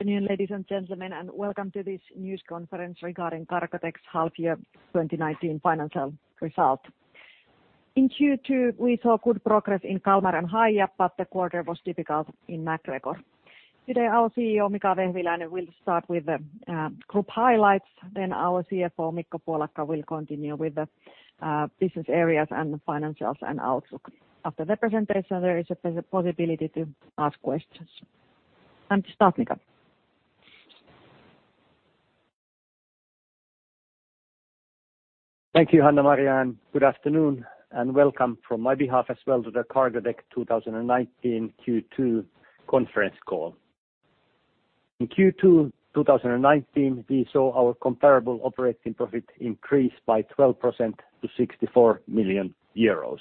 Good afternoon, ladies and gentlemen, and welcome to this news conference regarding Cargotec's half-year 2019 financial results. In Q2, we saw good progress in Kalmar and Hiab, but the quarter was difficult in MacGregor. Today, our CEO, Mika Vehviläinen, will start with the group highlights. Then, our CFO, Mikko Puolakka, will continue with the business areas and the financials and outlook. After the presentation, there is a possibility to ask questions. Time to start, Mika Vehviläinen. Thank you, Hanna-Maria, and good afternoon, and welcome from my behalf as well to the Cargotec 2019 Q2 conference call. In Q2 2019, we saw our comparable operating profit increase by 12% to 64 million euros.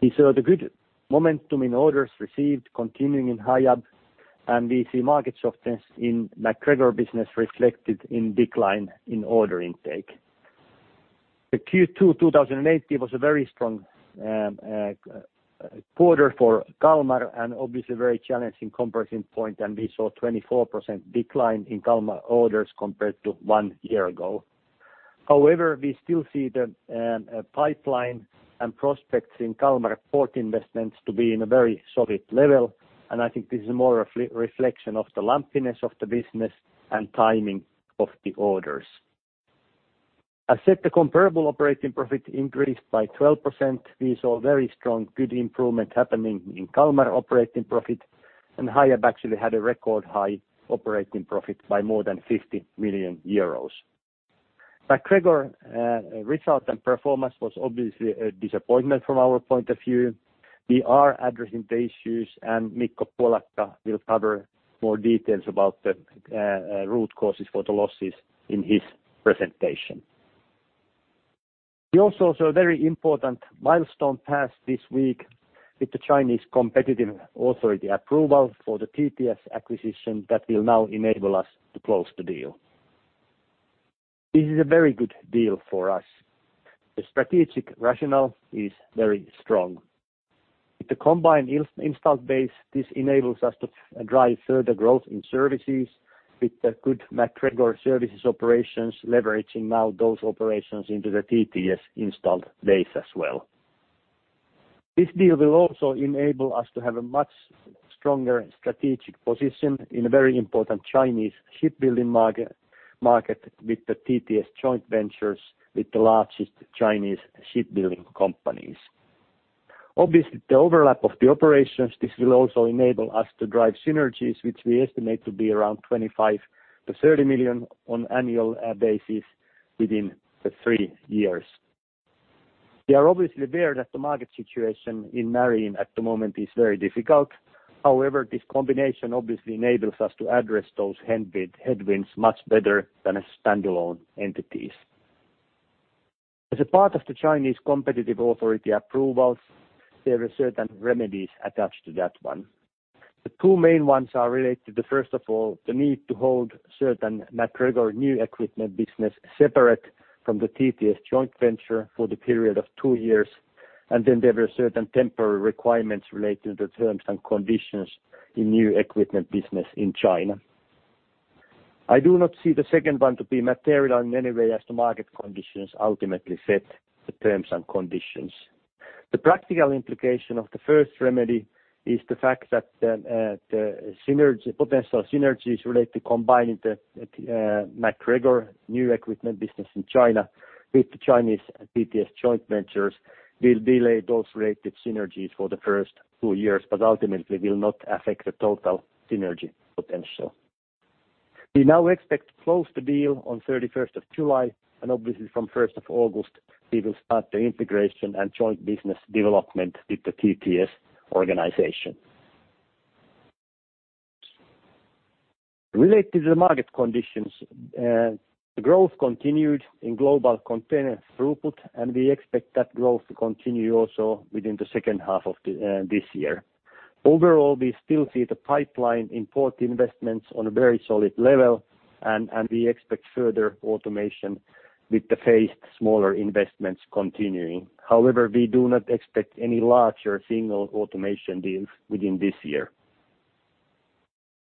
We saw the good momentum in orders received continuing in Hiab, and we see market softness in MacGregor business reflected in decline in order intake. The Q2 2018 was a very strong quarter for Kalmar and obviously a very challenging comparison point, and we saw 24% decline in Kalmar orders compared to one year ago. However, we still see the pipeline and prospects in Kalmar port investments to be in a very solid level, and I think this is more a reflection of the lumpiness of the business and timing of the orders. I said the comparable operating profit increased by 12%. We saw very strong good improvement happening in Kalmar operating profit, and Hiab actually had a record high operating profit by more than 50 million euros. MacGregor result and performance was obviously a disappointment from our point of view. We are addressing the issues, and Mikko Puolakka will cover more details about the root causes for the losses in his presentation. We also saw a very important milestone passed this week with the Chinese competitive authority approval for the TTS acquisition that will now enable us to close the deal. This is a very good deal for us. The strategic rationale is very strong. With the combined installed base, this enables us to drive further growth in services with the good MacGregor services operations, leveraging now those operations into the TTS installed base as well. This deal will also enable us to have a much stronger strategic position in a very important Chinese shipbuilding market with the TTS joint ventures with the largest Chinese shipbuilding companies. Obviously, the overlap of the operations, this will also enable us to drive synergies, which we estimate to be around 25 million-30 million on an annual basis within the three years. We are obviously aware that the market situation in marine at the moment is very difficult. However, this combination obviously enables us to address those headwinds much better than standalone entities. As a part of the Chinese competitive authority approvals, there are certain remedies attached to that one. The two main ones are related to, first of all, the need to hold certain MacGregor new equipment business separate from the TTS joint venture for the period of two years. Then, there are certain temporary requirements related to terms and conditions in new equipment business in China. I do not see the second one to be material in any way as the market conditions ultimately set the terms and conditions. The practical implication of the first remedy is the fact that the potential synergies related to combining the MacGregor new equipment business in China with the Chinese TTS joint ventures will delay those related synergies for the first two years, but ultimately will not affect the total synergy potential. We now expect to close the deal on 31st of July. Obviously from 1st of August, we will start the integration and joint business development with the TTS organization. Related to the market conditions, the growth continued in global container throughput, and we expect that growth to continue also within the second half of this year. Overall, we still see the pipeline import investments on a very solid level, and we expect further automation with the phased smaller investments continuing. However, we do not expect any larger single automation deals within this year.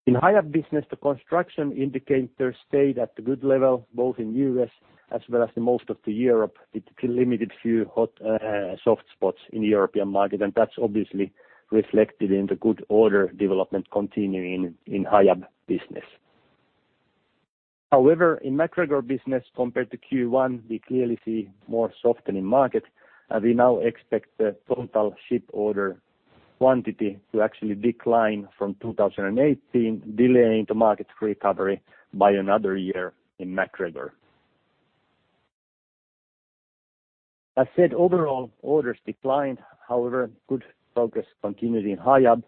In Hiab business, the construction indicators stayed at a good level, both in the U.S. as well as in most of the Europe, with limited few soft spots in the European market, and that's obviously reflected in the good order development continuing in Hiab business. However, in MacGregor business compared to Q1, we clearly see more softening market. We now expect the total ship order quantity to actually decline from 2018, delaying the market recovery by another year in MacGregor. As said, overall orders declined, however, good progress continued in Hiab.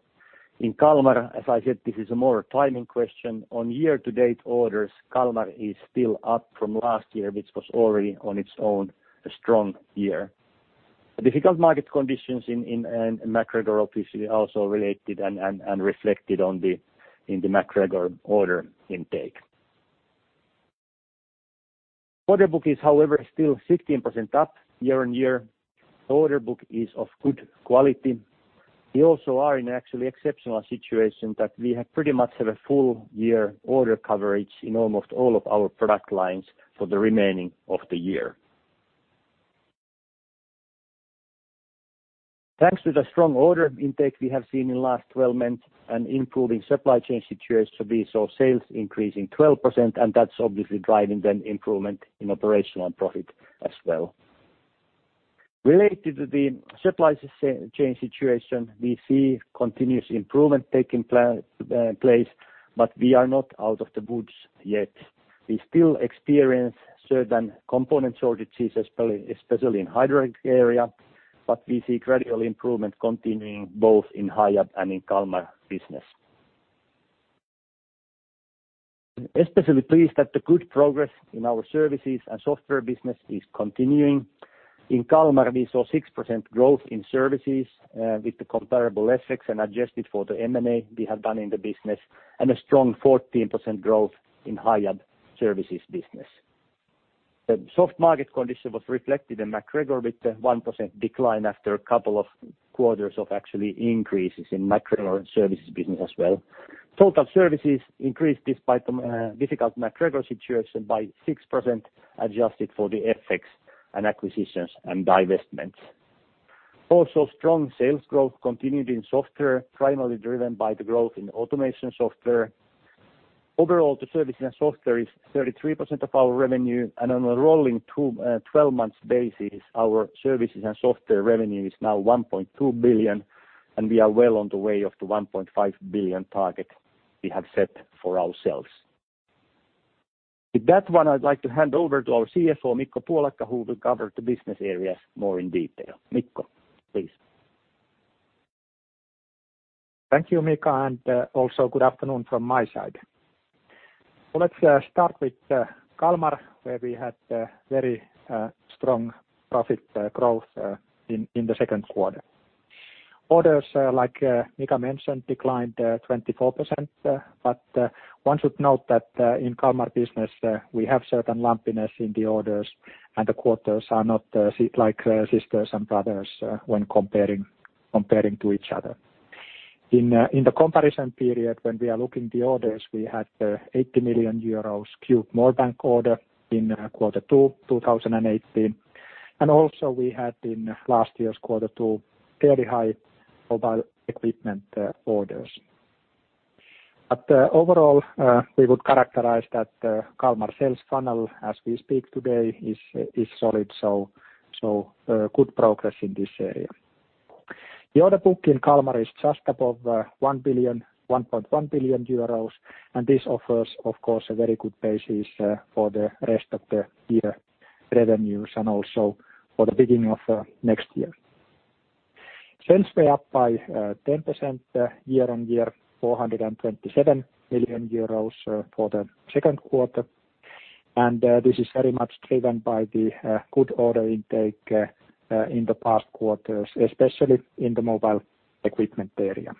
In Kalmar, as I said, this is a more timing question. On year-to-date orders, Kalmar is still up from last year, which was already on its own a strong year. The difficult market conditions in MacGregor obviously also related and reflected in the MacGregor order intake. Order book is however still 16% up year-on-year. Order book is of good quality. We also are in actually exceptional situation that we have pretty much have a full year order coverage in almost all of our product lines for the remaining of the year. Thanks to the strong order intake we have seen in last 12 months an improving supply chain situation, we saw sales increase of 12%. That's obviously driving then improvement in operational profit as well. Related to the supply chain situation, we see continuous improvement taking place, but we are not out of the woods yet. We still experience certain component shortages, especially in hydraulic area, but we see gradual improvement continuing both in Hiab and in Kalmar business. We are especially pleased that the good progress in our services and software business is continuing. In Kalmar, we saw 6% growth in services, with the comparable effects and adjusted for the M&A we have done in the business, and a strong 14% growth in Hiab services business. The soft market condition was reflected in MacGregor with a 1% decline after a couple of quarters of actually increases in MacGregor services business as well. Total services increased despite the difficult MacGregor situation by 6%, adjusted for the FX and acquisitions and divestments. Also, strong sales growth continued in software, primarily driven by the growth in automation software. Overall, the services and software is 33% of our revenue, and on a rolling 12 months basis, our services and software revenue is now 1.2 billion, and we are well on the way of the 1.5 billion target we have set for ourselves. With that one, I'd like to hand over to our CFO, Mikko Puolakka, who will cover the business areas more in detail. Mikko Puolakka, please. Thank you, Mika Vehviläinen, and also good afternoon from my side. Let's start with Kalmar, where we had very strong profit growth in the second quarter. Orders, like Mika Vehviläinen mentioned, declined 24%, but one should note that in Kalmar business, we have certain lumpiness in the orders, and the quarters are not like sisters and brothers when comparing to each other. In the comparison period, when we are looking the orders, we had 80 million euros Qube Moorebank order in quarter two 2018. Also, we had in last year's quarter two, fairly high mobile equipment orders. Overall, we would characterize that Kalmar sales funnel, as we speak today, is solid, so good progress in this area. The order book in Kalmar is just above 1.1 billion euros, and this offers, of course, a very good basis for the rest of the year revenues and also for the beginning of next year. Sales were up by 10% year-on-year, EUR 427 million for the second quarter. This is very much driven by the good order intake in the past quarters, especially in the mobile equipment area.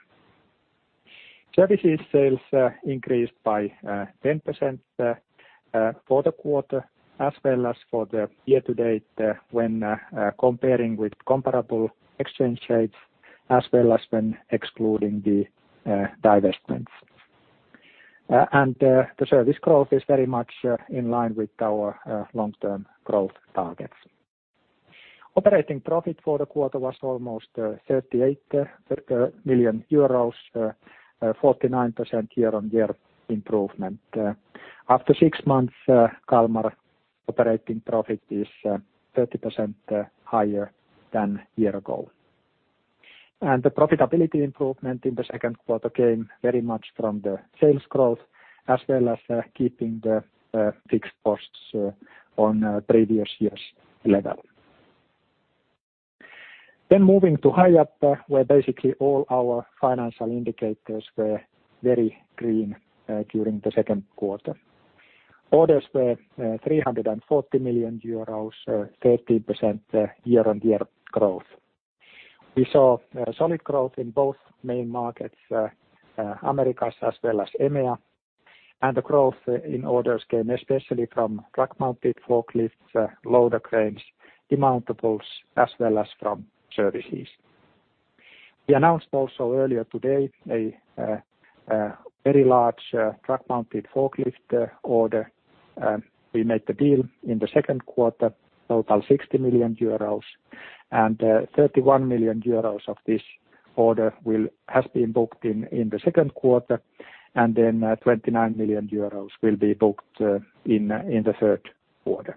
Services sales increased by 10% for the quarter, as well as for the year-to-date when comparing with comparable exchange rates, as well as when excluding the divestments. The service growth is very much in line with our long-term growth targets. Operating profit for the quarter was almost 38 million euros, 49% year-on-year improvement. After six months, Kalmar operating profit is 30% higher than year ago. The profitability improvement in the second quarter came very much from the sales growth, as well as keeping the fixed costs on previous year's level. Then, moving to Hiab, where basically all our financial indicators were very green during the second quarter. Orders were EUR 340 million, 13% year-on-year growth. We saw solid growth in both main markets, Americas as well as EMEA. The growth in orders came especially from truck-mounted forklifts, loader cranes, demountables, as well as from services. We announced also earlier today a very large truck-mounted forklift order. We made the deal in the second quarter, total 60 million euros, and 31 million euros of this order has been booked in the second quarter, and then 29 million euros will be booked in the third quarter.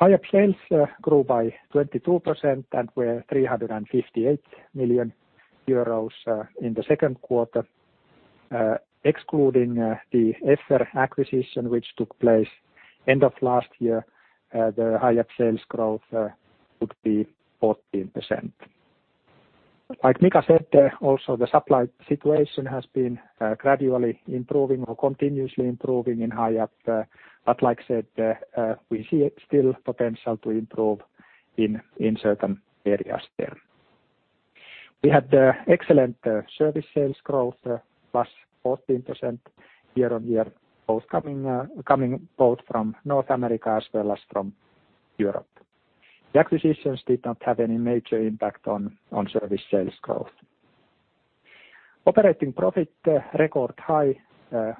Hiab sales grew by 22% and were 358 million euros in the second quarter. Excluding the Effer acquisition, which took place end of last year, the Hiab sales growth would be 14%. Like Mika Vehviläinen said, also the supply situation has been gradually improving or continuously improving in Hiab. Like I said, we see still potential to improve in certain areas there. We had excellent service sales growth, +14% year-over-year, coming both from North America as well as from Europe. The acquisitions did not have any major impact on service sales growth. Operating profit, record high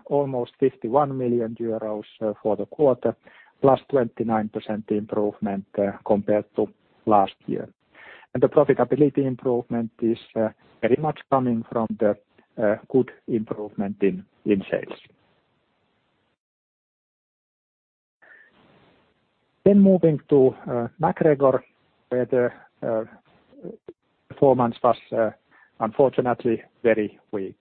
almost 51 million euros for the quarter, +29% improvement compared to last year. The profitability improvement is very much coming from the good improvement in sales. Moving to MacGregor, where the performance was unfortunately very weak.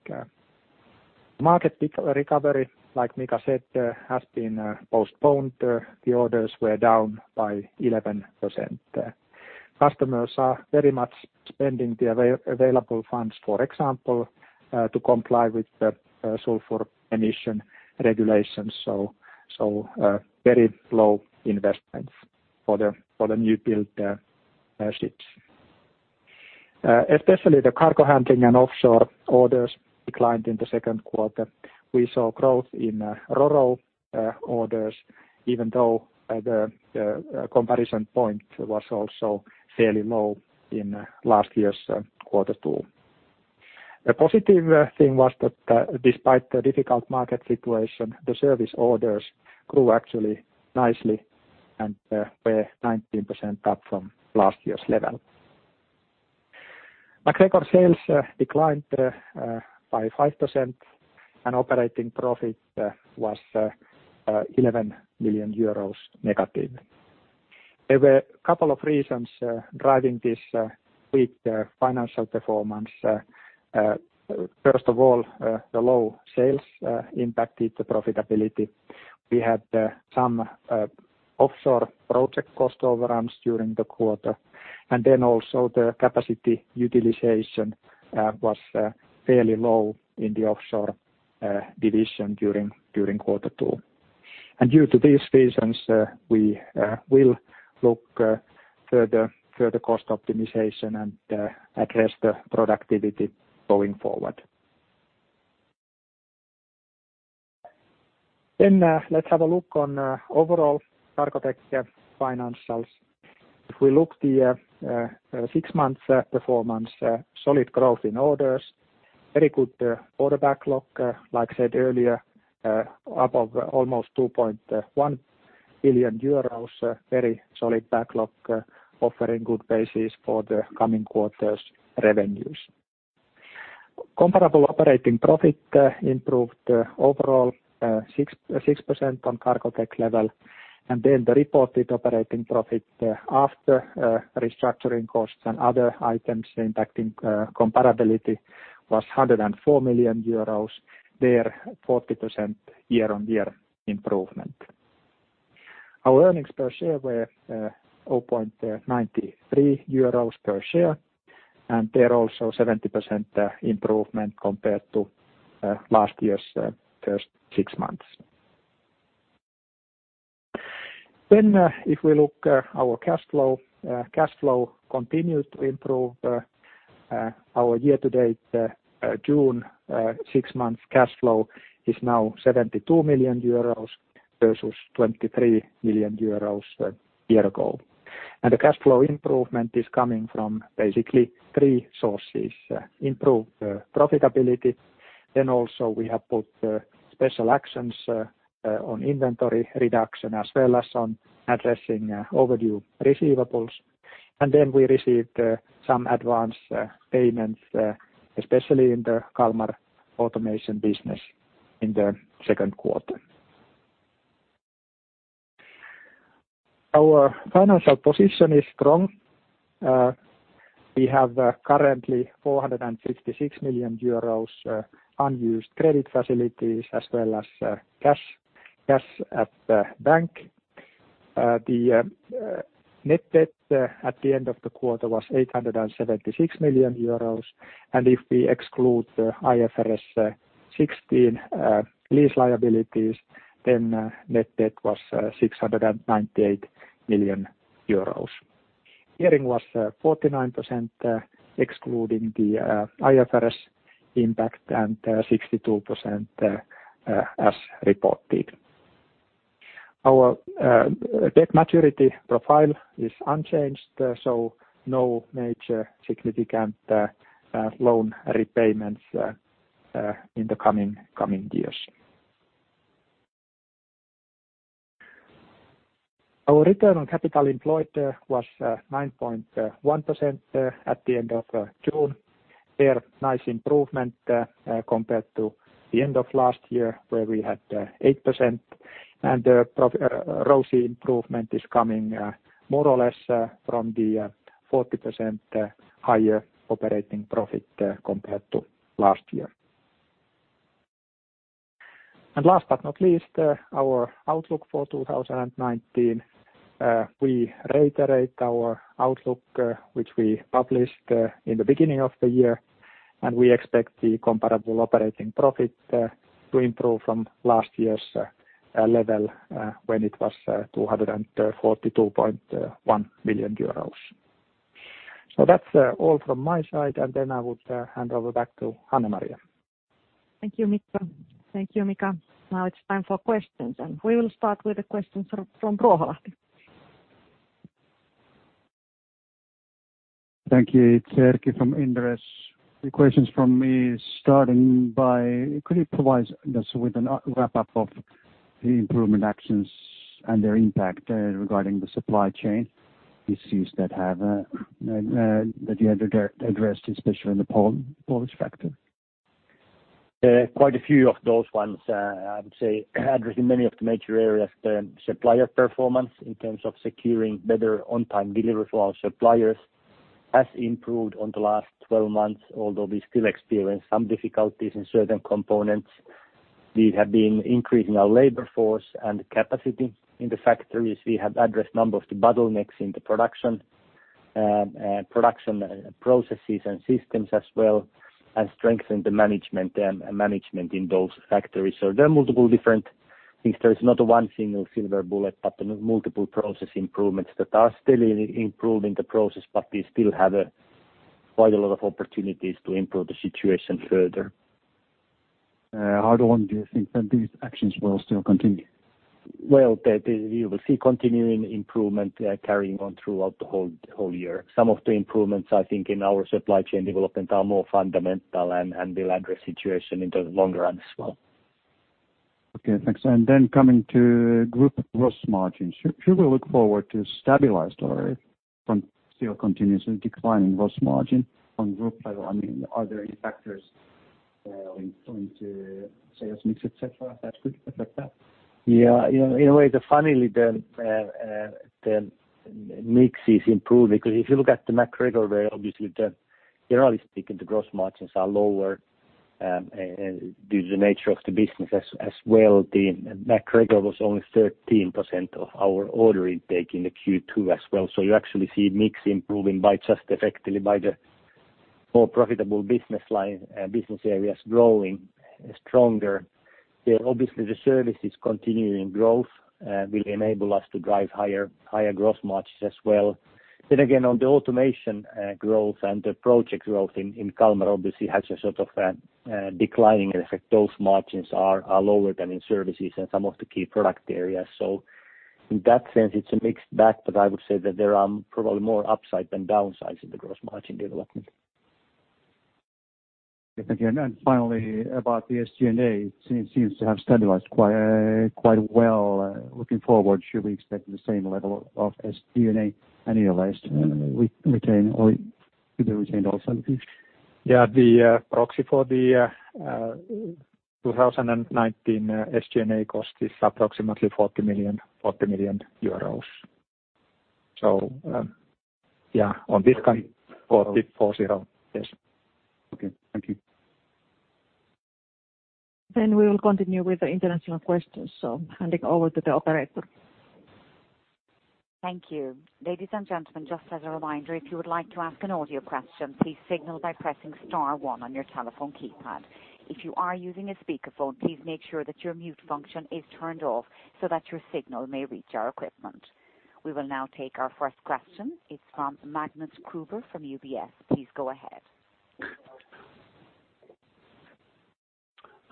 Market recovery, like Mika Vehviläinen said, has been postponed. The orders were down by 11%. Customers are very much spending the available funds, for example, to comply with the sulfur emission regulations, so very low investments for the new build ships. Especially the cargo handling and offshore orders declined in the second quarter. We saw growth in RoRo orders, even though the comparison point was also fairly low in last year's quarter two. A positive thing was that despite the difficult market situation, the service orders grew actually nicely and were 19% up from last year's level. MacGregor sales declined by 5% and operating profit was -11 million euros. There were a couple of reasons driving this weak financial performance. First of all, the low sales impacted the profitability. We had some offshore project cost overruns during the quarter, then also the capacity utilization was fairly low in the offshore division during quarter two. Due to these reasons, we will look further cost optimization and address the productivity going forward. Let's have a look on overall Cargotec financials. If we look the six months performance, solid growth in orders. Very good order backlog, like I said earlier, above almost 2.1 billion euros. Very solid backlog offering good basis for the coming quarters' revenues. Comparable operating profit improved overall 6% on Cargotec level, and then the reported operating profit after restructuring costs and other items impacting comparability was EUR 104 million. There, 40% year-on-year improvement. Our earnings per share were 0.93 euros per share, and there also 70% improvement compared to last year's first six months. If we look our cash flow, cash flow continued to improve. Our year-to-date June six month cash flow is now 72 million euros versus 23 million euros a year ago. The cash flow improvement is coming from basically three sources: improved profitability, also we have put special actions on inventory reduction, as well as on addressing overdue receivables. Then, we received some advance payments, especially in the Kalmar automation business in the second quarter. Our financial position is strong. We have currently 466 million euros unused credit facilities as well as cash at the bank. The net debt at the end of the quarter was 876 million euros, if we exclude the IFRS 16 lease liabilities, then net debt was 698 million euros. Gearing was 49% excluding the IFRS impact and 62% as reported. Our debt maturity profile is unchanged, so no major significant loan repayments in the coming years. Our return on capital employed was 9.1% at the end of June. There, nice improvement compared to the end of last year where we had 8%. The ROCE improvement is coming more or less from the 40% higher operating profit compared to last year. Last but not least, our outlook for 2019. We reiterate our outlook, which we published in the beginning of the year. We expect the comparable operating profit to improve from last year's level, when it was 242.1 million euros. That's all from my side, I would hand over back to Hanna-Maria. Thank you, Mikko Puolakka. Thank you, Mika Vehviläinen. Now it's time for questions, and we will start with the questions from Inderes. Thank you. It's Erkki Vesola from Inderes. The questions from me starting by, could you provide us with a wrap-up of the improvement actions and their impact regarding the supply chain issues that you had addressed, especially in the Polish factory? There are quite a few of those ones. I would say addressing many of the major areas, the supplier performance in terms of securing better on-time delivery for our suppliers has improved on the last 12 months, although we still experience some difficulties in certain components. We have been increasing our labor force and capacity in the factories. We have addressed a number of the bottlenecks in the production, and production processes and systems as well, and strengthened the management in those factories. There are multiple different things. There is not one single silver bullet, but multiple process improvements that are still improving the process, but we still have quite a lot of opportunities to improve the situation further. How long do you think that these actions will still continue? Well, you will see continuing improvement carrying on throughout the whole year. Some of the improvements, I think, in our supply chain development are more fundamental and will address situation in the longer run as well. Okay, thanks. Then coming to group gross margins, should we look forward to stabilized or still continuously declining gross margin on group level? Are there any factors into sales mix, et cetera, that could affect that? Yeah. In a way, funnily, the mix is improved because if you look at the MacGregor, where obviously, generally speaking, the gross margins are lower due to the nature of the business as well, MacGregor was only 13% of our order intake in the Q2 as well. You actually see mix improving by just effectively by the more profitable business areas growing stronger. Obviously, the services continuing growth will enable us to drive higher gross margins as well. Again, on the automation growth and the project growth in Kalmar obviously has a sort of declining effect. Those margins are lower than in services and some of the key product areas. In that sense, it's a mixed bag, but I would say that there are probably more upside than downsides in the gross margin development. Okay. Thank you. Finally, about the SG&A, it seems to have stabilized quite well. Looking forward, should we expect the same level of SG&A and [inaudible] to be retained also? Yeah. The proxy for the 2019 SG&A cost is approximately 40 million euros. Yeah, on this kind 40 million. Okay. Thank you. We will continue with the international questions. Handing over to the operator. Thank you. Ladies and gentlemen, just as a reminder, if you would like to ask an audio question, please signal by pressing star one on your telephone keypad. If you are using a speakerphone, please make sure that your mute function is turned off so that your signal may reach our equipment. We will now take our first question. It is from Magnus Kruber from UBS. Please go ahead.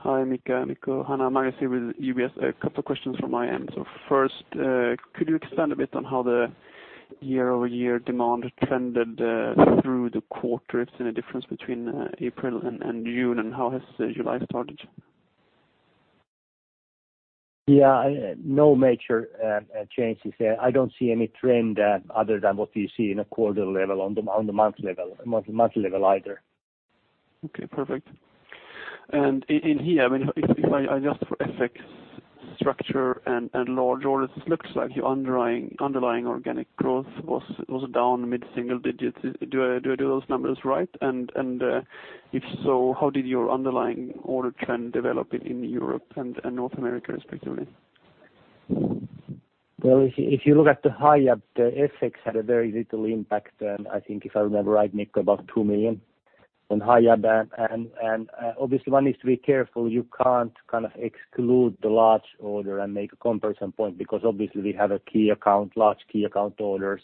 Hi, Mika Vehviläinen, Mikko Puolakka, Hanna-Maria. Magnus Kruber here with UBS. A couple of questions from my end. First, could you expand a bit on how the year-over-year demand trended through the quarter? It is in a difference between April and June, and how has July started? Yeah. No major changes there. I do not see any trend other than what you see in a quarter level or on the month level either. Okay, perfect. In here, if I adjust for FX structure and large orders, it looks like your underlying organic growth was down mid-single digits. Do I do those numbers right? If so, how did your underlying order trend develop in Europe and North America, respectively? Well, if you look at the Hiab, the FX had a very little impact, and I think if I remember right, Mika Vehviläinen, about 2 million on Hiab. Obviously one needs to be careful. You can't kind of exclude the large order and make a comparison point because obviously we have a large key account orders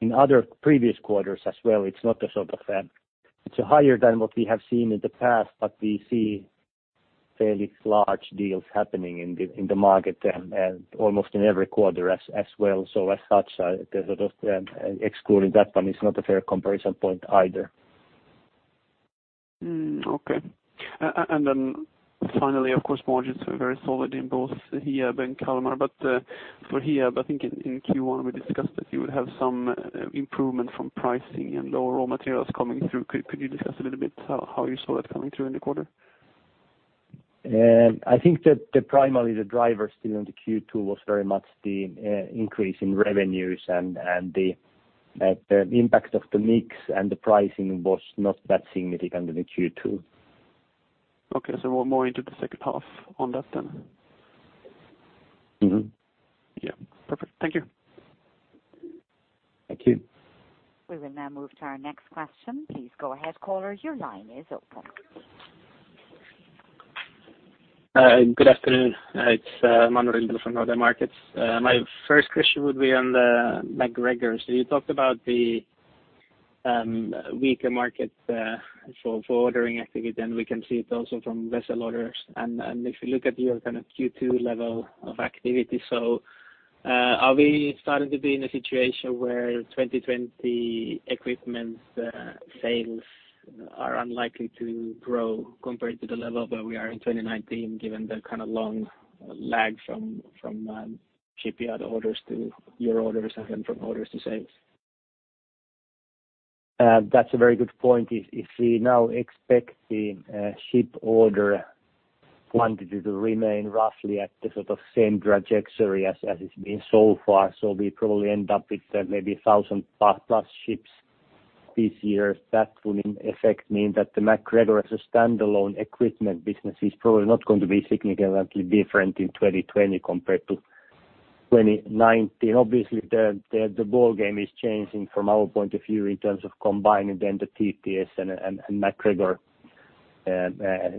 in other previous quarters as well. [inaudible] It's a higher than what we have seen in the past, but we see fairly large deals happening in the market there, and almost in every quarter as well. As such, the sort of excluding that one is not a fair comparison point either. Okay. Finally, of course, margins were very solid in both Hiab and Kalmar, for Hiab, I think in Q1, we discussed that you would have some improvement from pricing and lower raw materials coming through. Could you discuss a little bit how you saw that coming through in the quarter? I think that primarily the driver still in the Q2 was very much the increase in revenues, and the impact of the mix and the pricing was not that significant in the Q2. Okay. More into the second half on that then. Yeah. Perfect. Thank you. Thank you. We will now move to our next question. Please go ahead, caller. Your line is open. Good afternoon. It is Manu Rimpelä from Nordea Markets. My first question would be on the MacGregor. You talked about the weaker market for ordering activity, and we can see it also from vessel orders and if you look at your kind of Q2 level of activity. Are we starting to be in a situation where 2020 equipment sales are unlikely to grow compared to the level where we are in 2019, given the kind of long lag from shipyard orders to your orders and from orders to sales? That is a very good point. If we now expect the ship order quantity to remain roughly at the sort of same trajectory as it has been so far, we probably end up with maybe 1,000 plus ships this year. That would in effect mean that the MacGregor as a standalone equipment business is probably not going to be significantly different in 2020 compared to 2019. Obviously, the ball game is changing from our point of view in terms of combining the TTS and MacGregor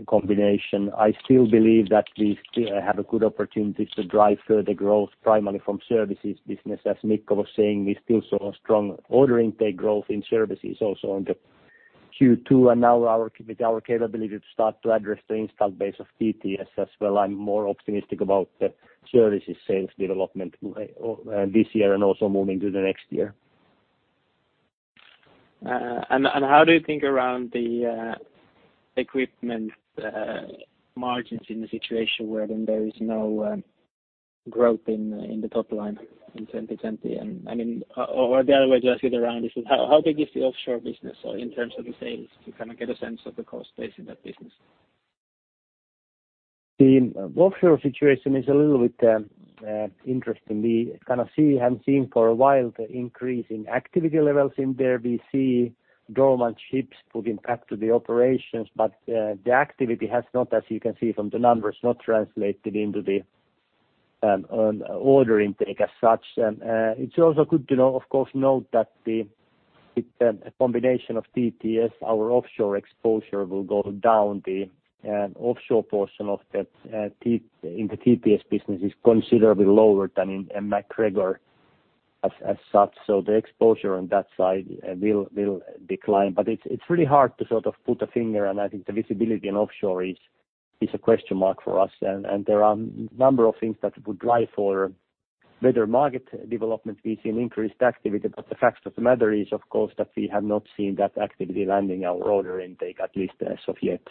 combination. I still believe that we have a good opportunity to drive further growth primarily from services business. As Mikko Puolakka was saying, we still saw strong order intake growth in services also on the Q2. Now with our capability to start to address the installed base of TTS as well, I am more optimistic about the services sales development this year and also moving to the next year. How do you think around the equipment margins in a situation where there is no growth in the top line in 2020? The other way to ask it around is how big is the offshore business in terms of the sales to kind of get a sense of the cost base in that business? The offshore situation is a little bit interesting. We have seen for a while the increase in activity levels in there. We see dormant ships putting back to the operations, but the activity has not, as you can see from the numbers, not translated into the order intake as such. It's also good to know, of course, note that the with the combination of TTS, our offshore exposure will go down. The offshore portion in the TTS business is considerably lower than in MacGregor as such. The exposure on that side will decline. It's really hard to sort of put a finger, and I think the visibility in offshore is a question mark for us. There are a number of things that would drive for better market development. We see an increased activity, but the fact of the matter is, of course, that we have not seen that activity landing our order intake, at least as of yet.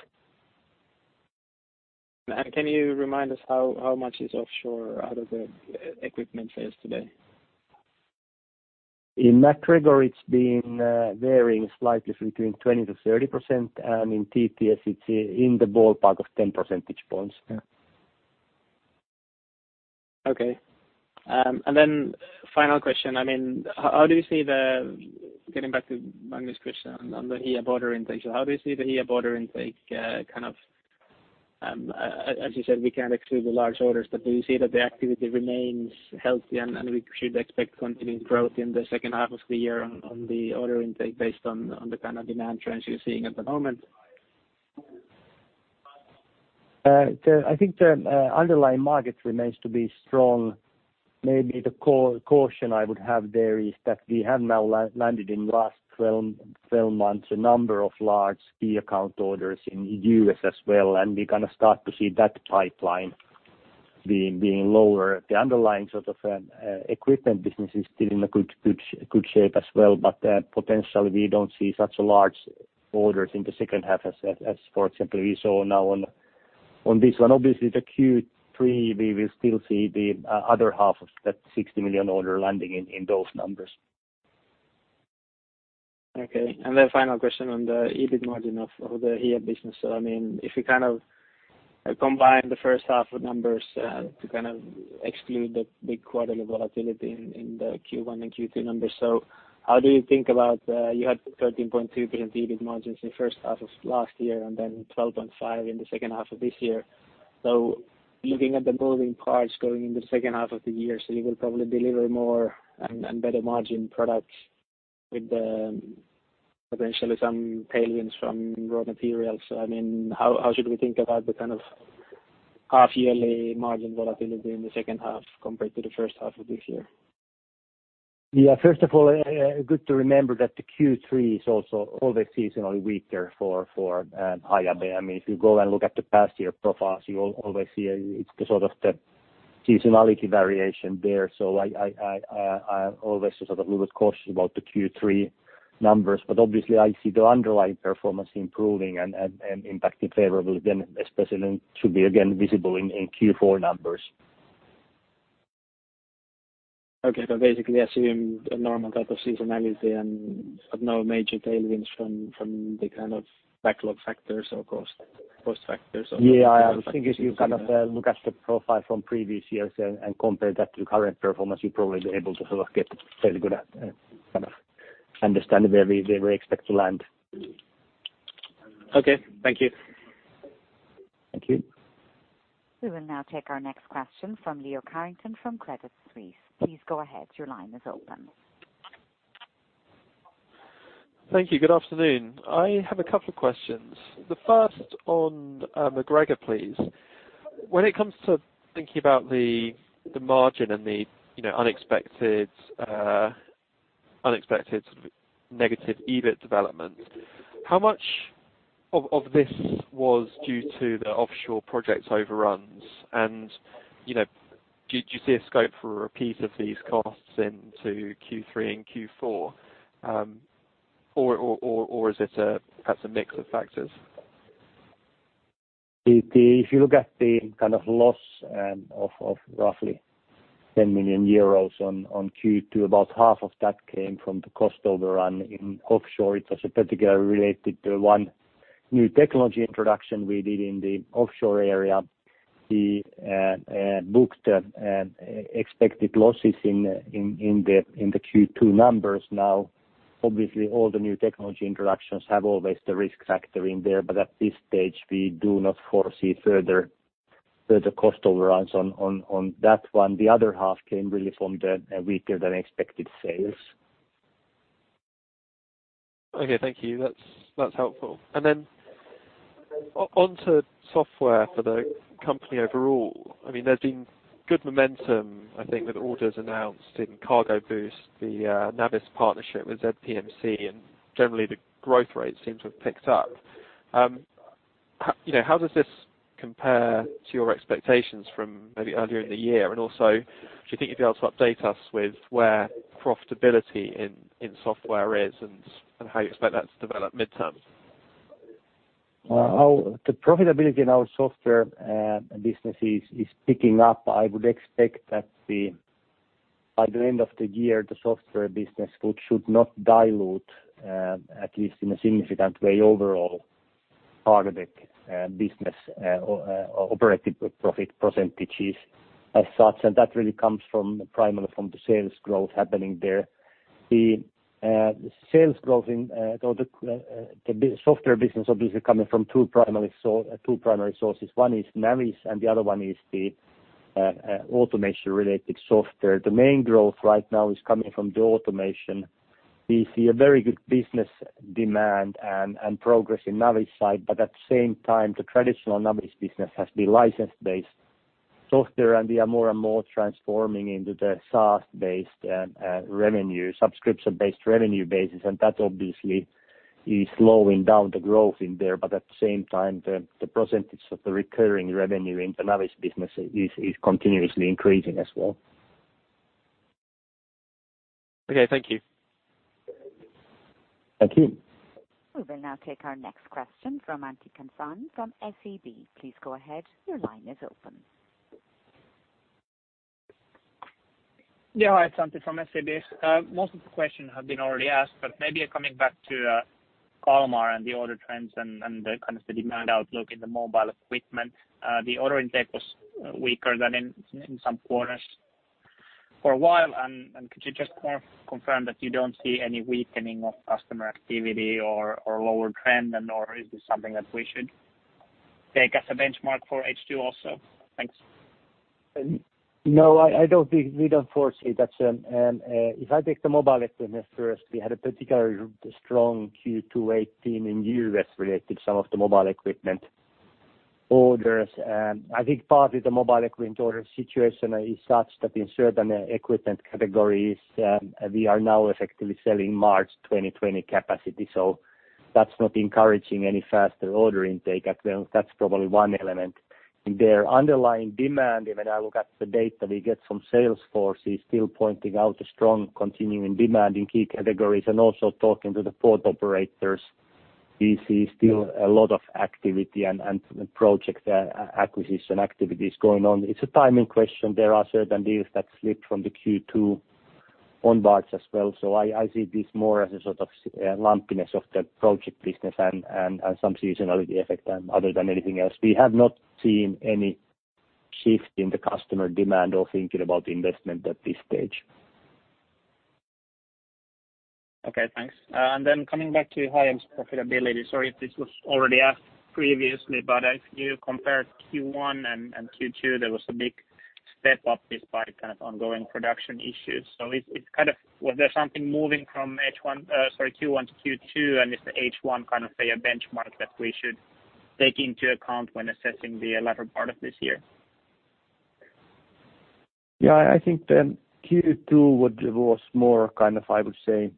Can you remind us how much is offshore out of the equipment sales today? In MacGregor, it's been varying slightly between 20%-30%, and in TTS it's in the ballpark of 10 percentage points. Okay. Final question. Getting back to Magnus Kruber's question on the Hiab order intake. How do you see the Hiab order intake? As you said, we can't exclude the large orders. Do you see that the activity remains healthy and we should expect continued growth in the second half of the year on the order intake based on the kind of demand trends you're seeing at the moment? I think the underlying market remains to be strong. Maybe the caution I would have there is that we have now landed in last 12 months, a number of large key account orders in U.S. as well, and we're going to start to see that pipeline being lower. The underlying equipment business is still in a good shape as well, but potentially we don't see such large orders in the second half as, for example, we saw now on this one. Obviously, the Q3, we will still see the other half of that 60 million order landing in those numbers. Okay. Final question on the EBIT margin of the Hiab business. If we kind of combine the first half numbers to exclude the big quarterly volatility in the Q1 and Q2 numbers. How do you think about, you had 13.2% EBIT margins the first half of last year and then 12.5% in the second half of this year. Looking at the moving parts going into the second half of the year, you will probably deliver more and better margin products with potentially some tailwinds from raw materials. How should we think about the kind of half-yearly margin volatility in the second half compared to the first half of this year? First of all, good to remember that the Q3 is also always seasonally weaker for Hiab. If you go and look at the past year profiles, you will always see it's the seasonality variation there. I always was a little cautious about the Q3 numbers. Obviously I see the underlying performance improving and impacting favorably then especially should be again visible in Q4 numbers. Okay. Basically assume a normal type of seasonality and no major tailwinds from the kind of backlog factors or cost factors. Yeah. I would think if you look at the profile from previous years and compare that to the current performance, you'll probably be able to get fairly good at understanding where we expect to land. Okay. Thank you. Thank you. We will now take our next question from Leo Carrington from Credit Suisse. Please go ahead. Your line is open. Thank you. Good afternoon. I have a couple of questions. The first on MacGregor, please. When it comes to thinking about the margin and the unexpected negative EBIT development, how much of this was due to the offshore project overruns? Do you see a scope for a repeat of these costs into Q3 and Q4? Or is it perhaps a mix of factors? If you look at the kind of loss of roughly 10 million euros on Q2, about half of that came from the cost overrun in offshore. It was particularly related to one new technology introduction we did in the offshore area. We booked expected losses in the Q2 numbers now. Obviously, all the new technology introductions have always the risk factor in there. But at this stage, we do not foresee further cost overruns on that one. The other half came really from the weaker than expected sales. Okay. Thank you. That's helpful. Then on to software for the company overall. There's been good momentum, I think, with orders announced in Cargo Boost, the Navis partnership with ZPMC, and generally the growth rate seems to have picked up. How this is compared to your expectation from earlier in the year and also, do you think you'd be able to update us with where profitability in software is and how you expect that to develop midterm? The profitability in our software business is picking up. I would expect that by the end of the year, the software business should not dilute, at least in a significant way, overall target business operating profit percentages as such, and that really comes primarily from the sales growth happening there. The sales growth in the software business obviously coming from two primary sources. One is Navis, and the other one is the automation-related software. The main growth right now is coming from the automation. We see a very good business demand and progress in Navis side, but at the same time, the traditional Navis business has been license-based software, and we are more and more transforming into the SaaS-based revenue, subscription-based revenue basis, and that obviously is slowing down the growth in there. At the same time, the percentage of the recurring revenue in the Navis business is continuously increasing as well. Okay, thank you. Thank you. We will now take our next question from Antti Kansanen from SEB. Please go ahead. Your line is open. Yeah. Hi, it's Antti Kansanen from SEB. Most of the questions have been already asked, but maybe coming back to Kalmar and the order trends and the kind of the demand outlook in the mobile equipment. The order intake was weaker than in some quarters for a while, and could you just confirm that you don't see any weakening of customer activity or lower trend, or is this something that we should take as a benchmark for H2 also? Thanks. No, we don't foresee that. If I take the mobile equipment first, we had a particularly strong Q2 2018 in Europe related to some of the mobile equipment orders. I think partly the mobile equipment order situation is such that in certain equipment categories, we are now effectively selling March 2020 capacity. That's not encouraging any faster order intake. That's probably one element. Their underlying demand, even I look at the data we get from Salesforce, is still pointing out a strong continuing demand in key categories. Also talking to the port operators, we see still a lot of activity and project acquisition activities going on. It's a timing question. There are certain deals that slipped from the Q2 onwards as well. So I see this more as a sort of lumpiness of the project business and some seasonality effect other than anything else. We have not seen any shift in the customer demand or thinking about investment at this stage. Okay, thanks. Coming back to Hiab's profitability. Sorry if this was already asked previously, if you compared Q1 and Q2, there was a big step-up despite kind of ongoing production issues. Was there something moving from Q1 to Q2, and is the H1 kind of a benchmark that we should take into account when assessing the latter part of this year? I think Q2 was more kind of, I would say,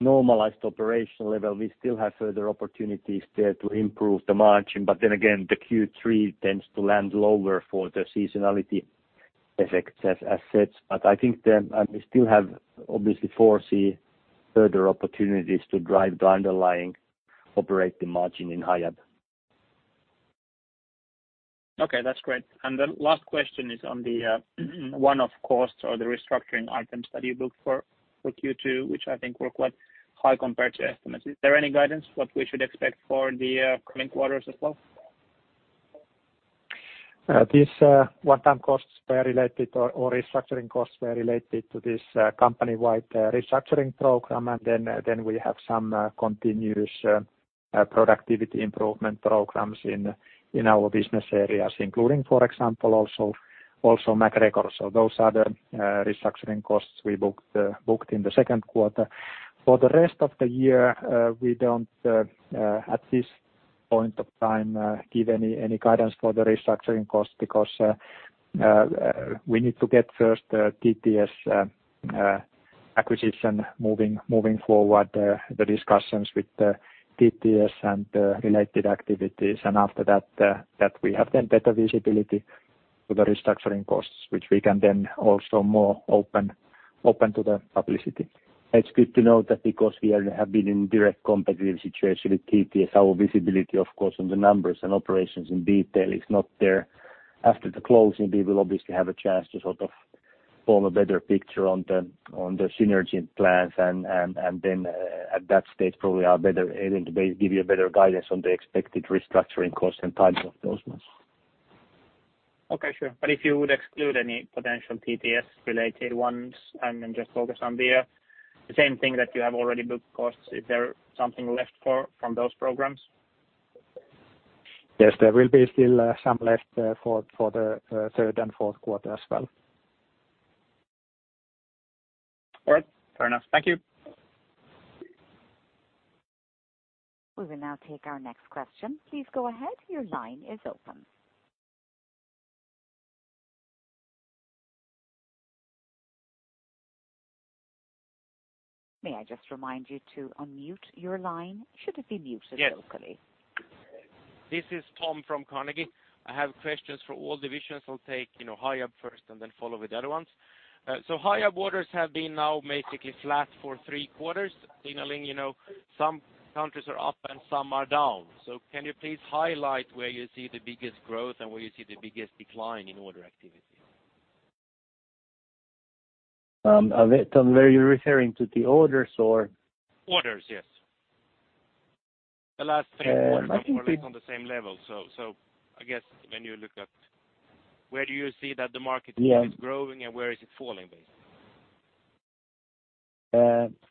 normalized operation level. We still have further opportunities there to improve the margin, but then again the Q3 tends to land lower for the seasonality effects as such. I think we still have obviously foresee further opportunities to drive the underlying operating margin in Hiab. Okay, that's great. The last question is on the one-off costs or the restructuring items that you booked for Q2, which I think were quite high compared to estimates. Is there any guidance what we should expect for the coming quarters as well? These one-time costs were related or restructuring costs were related to this company-wide restructuring program. Then, we have some continuous productivity improvement programs in our business areas, including, for example, also MacGregor. Those are the restructuring costs we booked in the second quarter. For the rest of the year, we don't, at this point of time, give any guidance for the restructuring costs because we need to get first TTS acquisition moving forward, the discussions with TTS and related activities. After that we have better visibility for the restructuring costs, which we can then also more open to the publicity. It's good to note that because we have been in direct competitive situation with TTS, our visibility, of course, on the numbers and operations in detail is not there. After the closing, we will obviously have a chance to sort of form a better picture on the synergy plans and then at that stage probably are better able to give you a better guidance on the expected restructuring costs and timing of those ones. Okay. If you would exclude any potential TTS related ones and then just focus on the same thing that you have already booked costs. Is there something left from those programs? Yes, there will be still some left for the third and fourth quarter as well. All right, fair enough. Thank you. We will now take our next question. Please go ahead. Your line is open. May I just remind you to unmute your line should it be muted locally? Yes. This is Tom from Carnegie. I have questions for all divisions. I'll take Hiab first and then follow with the other ones. Hiab orders have been now basically flat for three quarters, signaling some countries are up and some are down. Can you please highlight where you see the biggest growth and where you see the biggest decline in order activity? Tom, were you referring to the orders or? Orders, yes. The last three quarters were like on the same level. I guess when you look at where do you see that the market is growing and where is it falling, basically?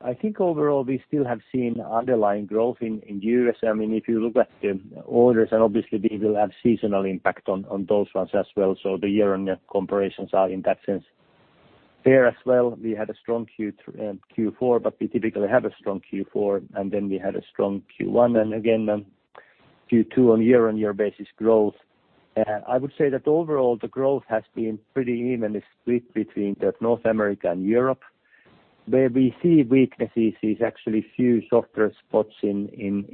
I think overall we still have seen underlying growth in U.S. If you look at the orders and obviously we will have seasonal impact on those ones as well. The year-on-year comparisons are in that sense there as well. We had a strong Q4, but we typically have a strong Q4, and then we had a strong Q1 and again Q2 on year-over-year basis growth. I would say that overall the growth has been pretty evenly split between the North America and Europe. Where we see weaknesses is actually few softer spots in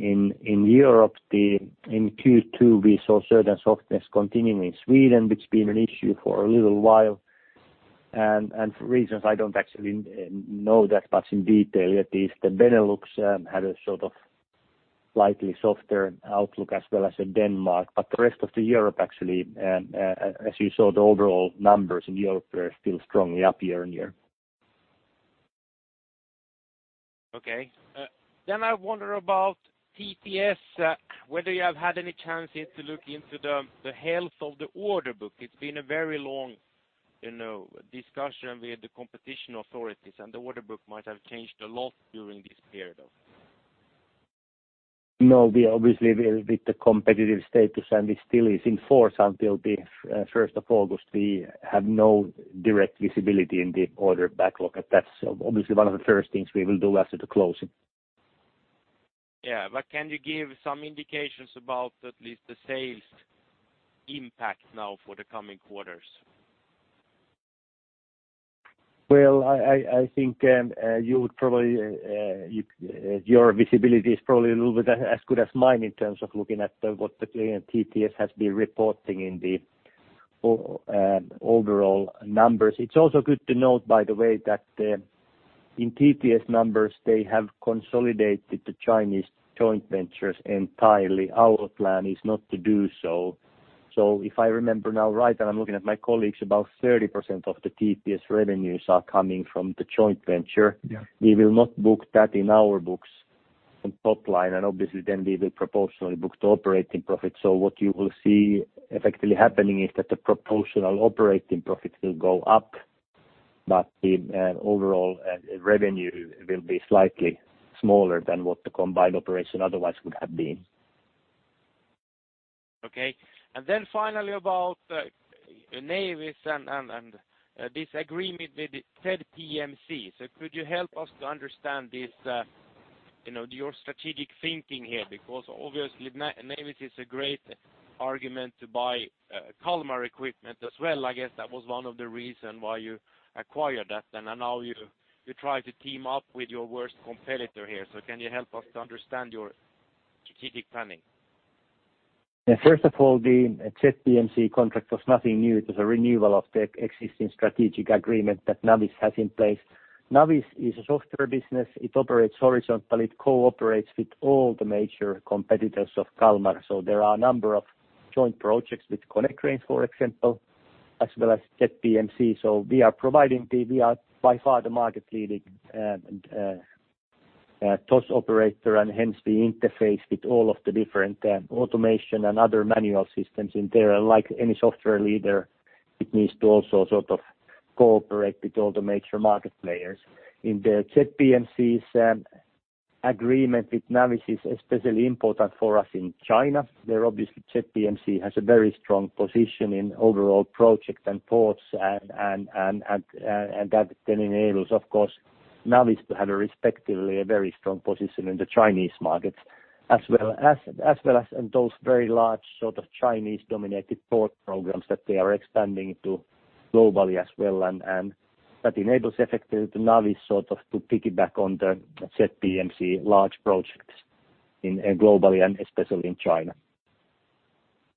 Europe. In Q2 we saw certain softness continuing in Sweden, which has been an issue for a little while, and for reasons I don't actually know that much in detail yet, is the Benelux had a sort of slightly softer outlook as well as in Denmark. The rest of the Europe actually, as you saw, the overall numbers in Europe were still strongly up year-on-year. Okay. I wonder about TTS, whether you have had any chance yet to look into the health of the order book. It's been a very long discussion with the competition authorities, and the order book might have changed a lot during this period. We obviously with the competitive status and it still is in force until the 1st of August. We have no direct visibility in the order backlog. That's obviously one of the first things we will do after the closing. Can you give some indications about at least the sales impact now for the coming quarters? Well, I think your visibility is probably a little bit as good as mine in terms of looking at what TTS has been reporting in the overall numbers. It's also good to note, by the way, that in TTS numbers they have consolidated the Chinese joint ventures entirely. Our plan is not to do so. If I remember now right, and I'm looking at my colleagues, about 30% of the TTS revenues are coming from the joint venture. Yeah. We will not book that in our books on top line and obviously then we will proportionally book the operating profit. What you will see effectively happening is that the proportional operating profit will go up, but the overall revenue will be slightly smaller than what the combined operation otherwise would have been. Finally about Navis and this agreement with the ZPMC. Could you help us to understand your strategic thinking here? Because obviously Navis is a great argument to buy Kalmar equipment as well. I guess that was one of the reason why you acquired that then, and now you try to team up with your worst competitor here. Can you help us to understand your strategic planning? First of all, the ZPMC contract was nothing new. It was a renewal of the existing strategic agreement that Navis has in place. Navis is a software business. It operates horizontal. It cooperates with all the major competitors of Kalmar. There are a number of joint projects with Konecranes, for example, as well as ZPMC. We are by far the market leading TOS operator, and hence we interface with all of the different automation and other manual systems in there. Like any software leader, it needs to also sort of cooperate with all the major market players. In the ZPMC's agreement with Navis is especially important for us in China. There obviously ZPMC has a very strong position in overall project and ports and that then enables, of course, Navis to have a respectively a very strong position in the Chinese markets, as well as in those very large sort of Chinese-dominated port programs that they are expanding into globally as well. That enables effectively the Navis sort of to piggyback on the ZPMC large projects globally and especially in China.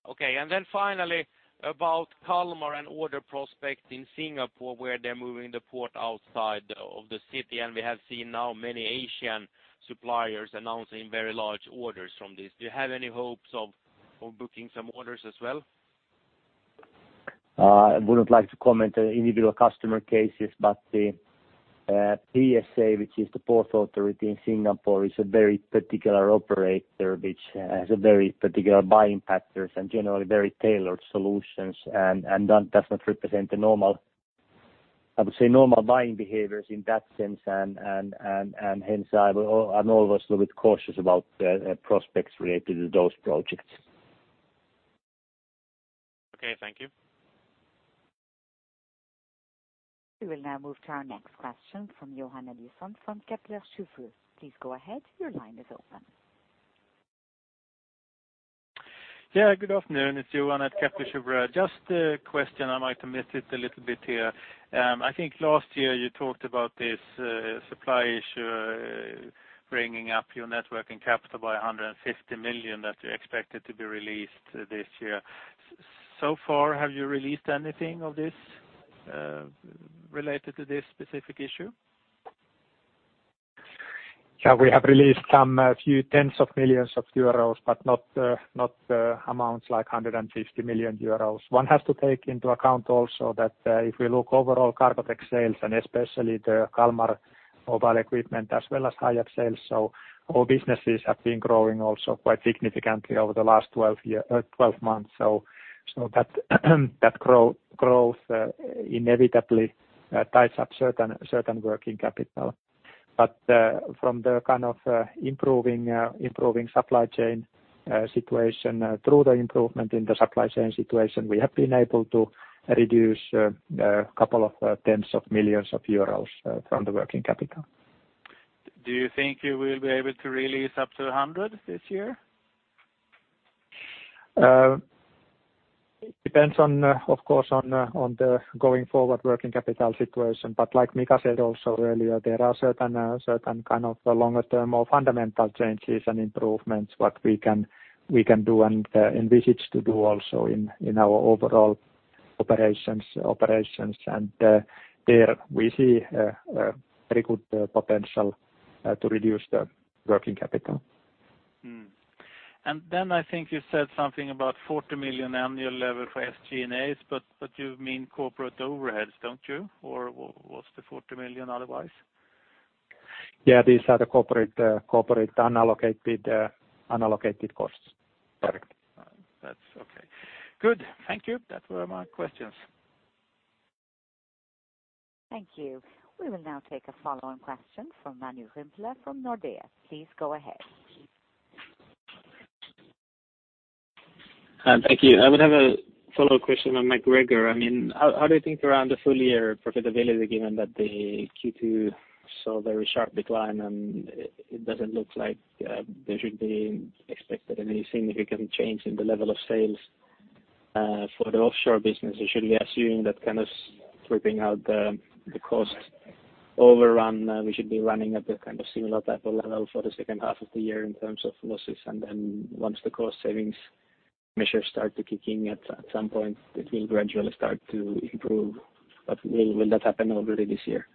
Okay. Then finally about Kalmar and order prospects in Singapore, where they're moving the port outside of the city. We have seen now many Asian suppliers announcing very large orders from this. Do you have any hopes of booking some orders as well? I wouldn't like to comment on individual customer cases, but the PSA, which is the Port Authority in Singapore, is a very particular operator which has a very particular buying patterns and generally very tailored solutions, and that does not represent the normal, I would say normal buying behaviors in that sense, and hence I'm always a little bit cautious about prospects related to those projects. Okay, thank you. We will now move to our next question from Johan Eliason from Kepler Cheuvreux. Please go ahead. Your line is open. Yeah, good afternoon. It's Johan Eliason at Kepler Cheuvreux. Just a question, I might have missed it a little bit here. I think last year you talked about this supply issue bringing up your net working capital by 150 million that you expected to be released this year. So far, have you released anything of this related to this specific issue? Yeah, we have released some few tens of millions of euros, but not amounts like 150 million euros. One has to take into account also that if we look overall Cargotec sales and especially the Kalmar mobile equipment as well as Hiab sales, all businesses have been growing also quite significantly over the last 12 months. That growth inevitably ties up certain working capital. From the kind of improving supply chain situation, through the improvement in the supply chain situation, we have been able to reduce a couple of tens of millions of euros from the working capital. Do you think you will be able to release up to 100 this year? It depends on, of course, on the going forward working capital situation. Like Mika Vehviläinen said also earlier, there are certain kind of longer-term, more fundamental changes and improvements what we can do and envisage to do also in our overall operations. There we see very good potential to reduce the working capital. Then I think you said something about 40 million annual level for SG&A, you mean corporate overheads, don't you? What's the 40 million otherwise? Yeah, these are the corporate unallocated costs. Perfect. That's okay. Good. Thank you. Those were my questions. Thank you. We will now take a follow-on question from Manu Rimpelä from Nordea Markets. Please go ahead. Hi. Thank you. I would have a follow-up question on MacGregor. How do you think around the full year profitability, given that the Q2 saw a very sharp decline, and it doesn't look like there should be expected any significant change in the level of sales for the offshore business? We should be assuming that kind of stripping out the cost overrun, we should be running at a kind of similar type of level for the second half of the year in terms of losses, and then once the cost savings measures start to kick in at some point, it will gradually start to improve. Will that happen already this year?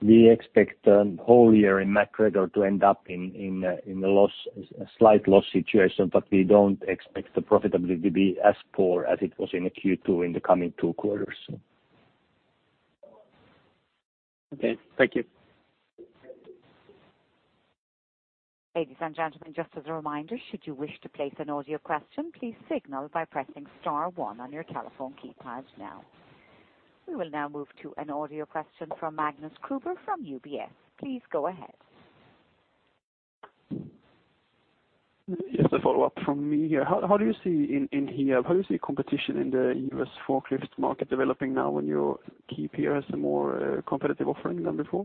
We expect the whole year in MacGregor to end up in a slight loss situation, but we don't expect the profitability to be as poor as it was in the Q2 in the coming two quarters. Okay, thank you. Ladies and gentlemen, just as a reminder, should you wish to place an audio question, please signal by pressing star one on your telephone keypad now. We will now move to an audio question from Magnus Kruber from UBS. Please go ahead. Just a follow-up from me here. How do you see competition in the U.S. forklift market developing now when your key peer has a more competitive offering than before?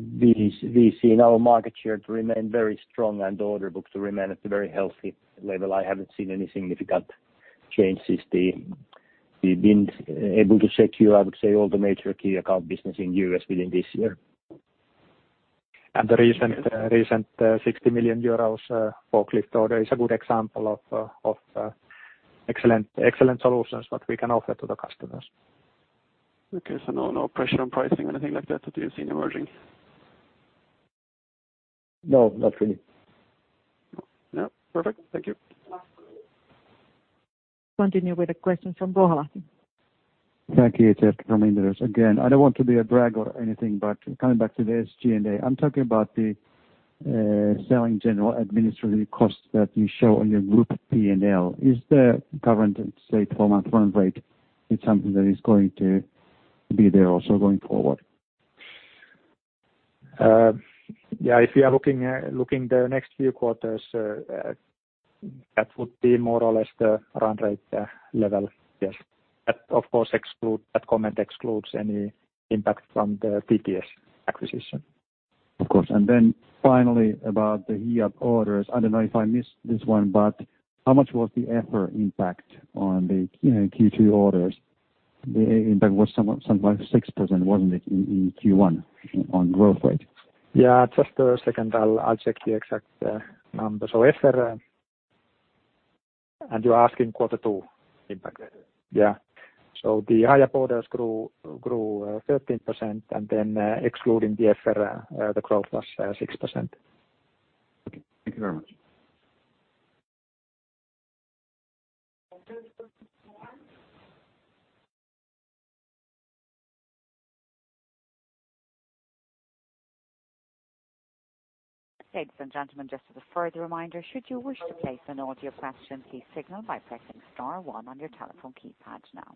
We see now market share to remain very strong and the order book to remain at a very healthy level. I haven't seen any significant change since we've been able to secure, I would say, all the major key account business in U.S. within this year. The recent 60 million euros forklift order is a good example of excellent solutions that we can offer to the customers. Okay. No pressure on pricing or anything like that that you're seeing emerging? No, not really. No. Perfect. Thank you. Continue with a question from Inderes. Thank you. It's Erkki Vesola from Inderes. Again, I don't want to be a drag or anything, but coming back to the SG&A. I'm talking about the selling general administrative costs that you show on your group P&L. Is the current, let's say, 12-month run rate, it's something that is going to be there also going forward? Yeah, if you are looking the next few quarters, that would be more or less the run rate level. Yes. That comment excludes any impact from the TTS acquisition. Of course. Finally about the Hiab orders. I don't know if I missed this one, but how much was the FX impact on the Q2 orders? The impact was something like 6%, wasn't it, in Q1 on growth rate? Yeah, just a second. I'll check the exact number. FX. You're asking quarter two impact? Yeah. The Hiab orders grew 13%, excluding the FX, the growth was 6%. Okay. Thank you very much. Ladies and gentlemen, just as a further reminder, should you wish to place an audio question, please signal by pressing star one on your telephone keypad now.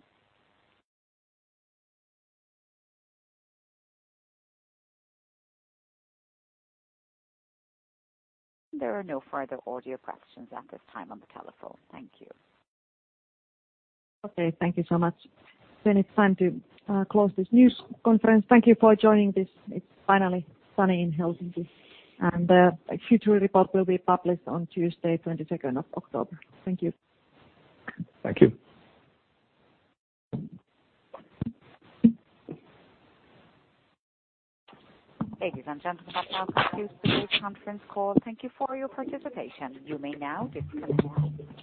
There are no further audio questions at this time on the telephone. Thank you. Okay, thank you so much. It's time to close this news conference. Thank you for joining this. It's finally sunny in Helsinki, the Q2 report will be published on Tuesday, 22nd of October. Thank you. Thank you. Ladies and gentlemen, that now concludes today's conference call. Thank you for your participation. You may now disconnect.